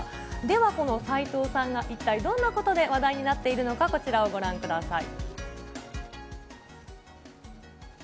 では、この齋藤さんが一体どんなことで話題になってるのか、こちらをご覧ください。